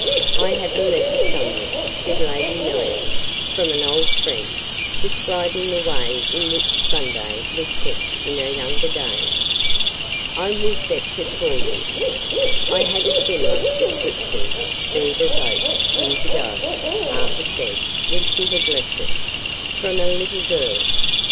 "I have a letter somewhere," said Lady Muriel, "from an old friend, describing the way in which Sunday was kept in her younger days. I will fetch it for you." "I had a similar description, viva voce, years ago," Arthur said when she had left us, "from a little girl.